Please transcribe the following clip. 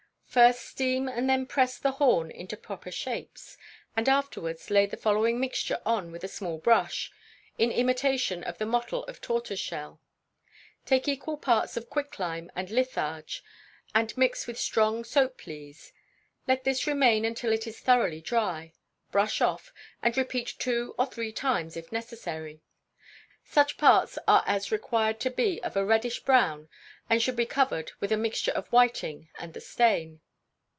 First steam and then press the horn into proper shapes, and afterwards lay the following mixture on with a small brush, in imitation of the mottle of tortoiseshell: Take equal parts of quicklime and litharge, and mix with strong soap lees; let this remain until it is thoroughly dry, brush off, and repeat two or three times, if necessary. Such parts as are required to be of a reddish brown should be covered with a mixture of whiting and the stain.